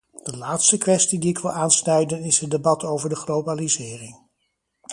De laatste kwestie die ik wil aansnijden is het debat over de globalisering.